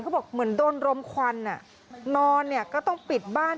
บอกเหมือนโดนรมควันนอนเนี่ยก็ต้องปิดบ้าน